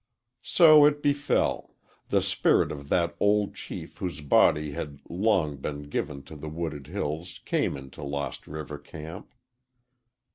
So it befell: the spirit of that old chief whose body had long been given to the wooded hills came into Lost River camp.